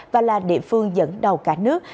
và là địa phương dẫn đầu cả nước